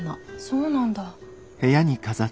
そうなんだ。